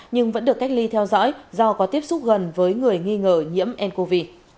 nhưng vẫn được cách ly theo dõi do có tiếp xúc gần với người nghi ngờ nhiễm ncov